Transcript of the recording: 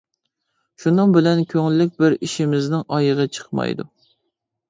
شۇنىڭ بىلەن كۆڭۈللۈك بىر ئىشىمىزنىڭ ئايىغى چىقمايدۇ.